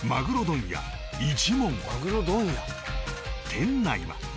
店内は